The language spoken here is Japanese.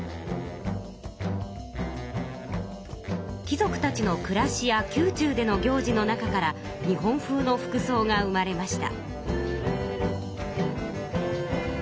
貴族たちのくらしや宮中での行事の中から日本風の服そうが生まれました。